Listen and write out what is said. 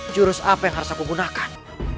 jurus apa yang harus aku gunakan